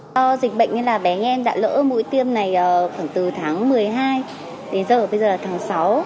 do dịch bệnh nên là bé em đã lỡ mũi tiêm này khoảng từ tháng một mươi hai đến giờ bây giờ là tháng sáu